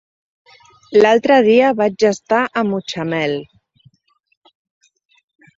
L'altre dia vaig estar a Mutxamel.